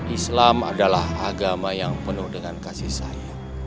islam adalah agama yang penuh dengan kasih sayang